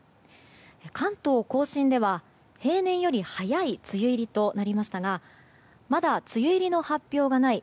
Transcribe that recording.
関東・甲信では平年より早い梅雨入りとなりましたがまだ梅雨入りの発表がない